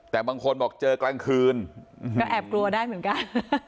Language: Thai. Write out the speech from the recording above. แต่บางคนบอกเจอกลางคืนก็แอบกลัวได้เหมือนกัน